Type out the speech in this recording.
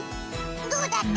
どうだった？